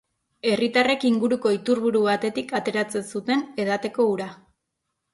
Herritarrek inguruko iturburu batetik ateratzen zuten edateko ura.